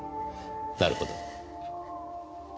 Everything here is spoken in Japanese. なるほど。